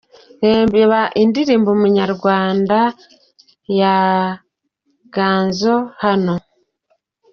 Reba indirimbo Umunyarwanda ya Ganzo hano:.